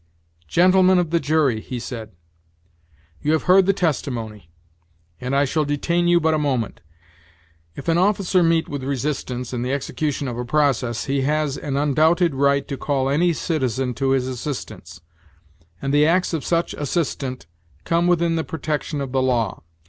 "Gentlemen of the jury," he said, "you have heard the testimony, and I shall detain you but a moment. If an officer meet with resistance in the execution of a process, he has an undoubted right to call any citizen to his assistance; and the acts of such assistant come within the protection of the law.